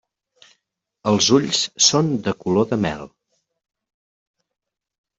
Els ulls són de color de mel.